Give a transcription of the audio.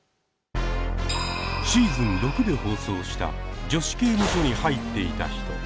シーズン６で放送した「女子刑務所に入っていた人」。